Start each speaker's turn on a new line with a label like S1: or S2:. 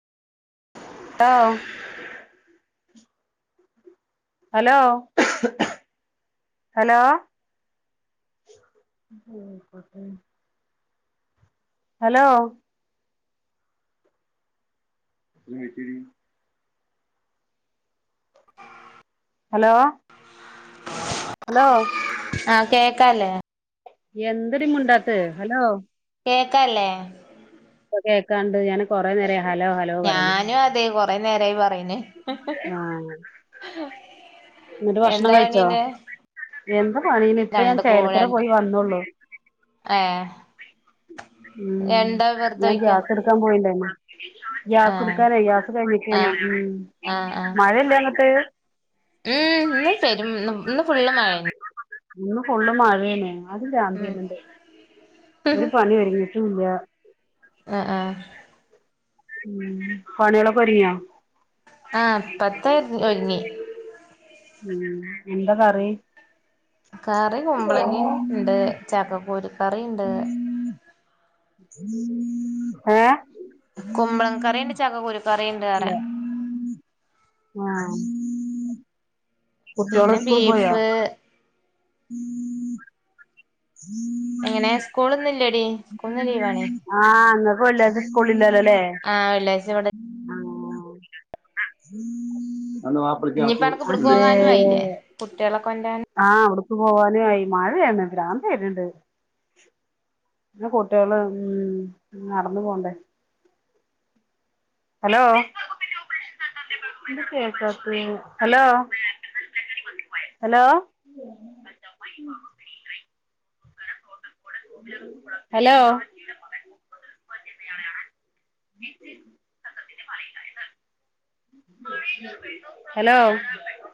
S1: ട്ടാ hello hello നോക്കട്ടെ hello [unintelligible] hello? Hello
S2: ആ കേക്കല്ലേ?
S1: എന്തടി മുണ്ടാത്തേ ഹലോ?
S2: കേക്കാല്ലേ?
S1: ഇപ്പ കേക്കാണ്ട് ഞാന് കുറേ നേരായി ഹലോ ഹലോ പറയണ്
S2: [unintelligible] കുറെ നേരായി പറയുന്ന്
S1: ആഹ് എന്നിട്ട്
S2: എന്താ
S1: ഭക്ഷണം കഴിച്ചോ?
S2: പണീടെ
S1: എന്ത് പണീന ഇപ്പ ഞാൻ
S2: രണ്ട്
S1: ചേലക്കര പോയി വന്നോള്ളു
S2: ആഹ്
S1: ഉം ഞാൻ
S2: വെറുതൊഴിക്കാ
S1: ഗ്യാസ് എടുക്കാൻ പോയിണ്ടായിരുന്നു.
S2: ആഹ്
S1: ഗ്യാസ്ടുക്കാനായി ഗ്യാസ് കഴിഞ്ഞേക്കാണ്,
S2: ആഹ്
S1: ഉം
S2: ആഹ് ആഹ്
S1: മഴയില്ലാ ഇങ്ങക്ക്?
S2: ഉം ഇന്ന് പെരും ന്ന് ഇന്ന് ഫുള്ള് മഴയന്നെ
S1: ഇന്ന് ഫൂള് മഴേനെ അത് ഭ്രാന്ത്
S2: ഉം
S1: വരുന്നുണ്ട് ഒരു പണി ഒതുങ്ങിട്ടും ഇല്ല.
S2: ആഹ് ആഹ്
S1: ഉം പണികൾ ഒക്കെ ഒതുങ്ങിയ.
S2: ആ പത്തര ഒരുങ്ങി
S1: ഉം എന്താ കറി?
S2: കറി കുമ്പളങ്ങി ഉണ്ട് ചാക്കകുരു കറി ഉണ്ട്.
S1: ഏഹ്
S2: കുമ്പളം കറിയുണ്ട് ചക്കകുരു
S1: ല്ലേ ആഹ് കുട്ട്യോള്
S2: പിന്നെ
S1: സ്കൂളിൽ പോയോ
S2: ബീഫ്
S1: [unintelligible] [unintelligible]
S2: എങ്ങനെ സ്കൂളിന്ന് ഇല്ലെടി
S1: ആഹ് ഇന്നപ്പം വെള്ളിയാഴ്ച സ്കൂളില്ലല്ലോല്ലേ
S2: ആ വെള്ളിഴ്ച ഇവിടെ
S1: ഹലോ [unintelligible]
S2: ഇനിയിപ്പ അനക്ക് ഇവിടക്ക്
S1: അതെ
S2: പോകാനും ആയില്ലേ കുട്ടികളെ കൊണ്ടരാൻ
S1: ആഹ് അവിടക്ക് പോവാനുയി മഴയാണ് ഭ്രാന്ത് വെരന്ന്ണ്ട് ഇന്ന് കുട്ട്യോള് ഉം നടന്നു പോണ്ടേ ഹലോ ന്താ കേൾക്കാത്തത് ഹലോ ഹലോ ഹലോ [unintelligible] ഹലോ